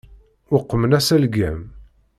Uqmen-as algam.